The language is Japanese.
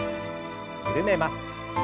緩めます。